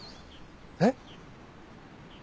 えっ？